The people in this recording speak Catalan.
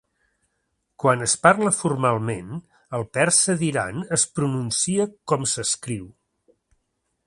Quan es parla formalment, el persa d'Iran es pronuncia com s'escriu.